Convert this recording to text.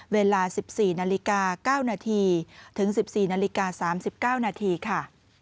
เวลาสิบสี่นาฬิกาเก้านาทีถึงสิบสี่นาฬิกาสามสิบเก้านาทีค่ะ